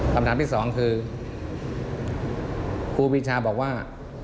คำถามที่สองคือครูปีชาบอกว่า